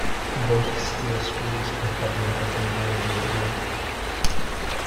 Both steel screws are covered by invertebrate growth.